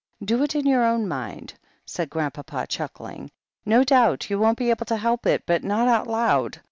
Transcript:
Do it in your own mind," said Grand papa, chuckling; "no doubt you won't be able to help it — ^but not out loud.